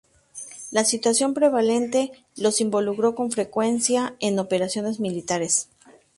La situación prevalente los involucró con frecuencia en operaciones militares.